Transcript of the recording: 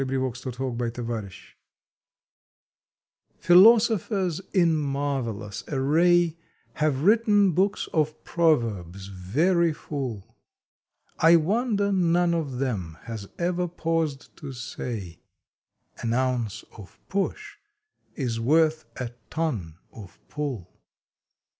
September Twentieth OVERLOOKED PHILOSOPHERS in marvelous array Have written books of proverbs very full. I wonder none of them has ever paused to say: An Ounce of Push is worth a Ton of Pull